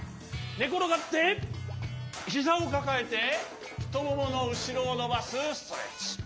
ねころがってひざをかかえてふともものうしろをのばすストレッチ。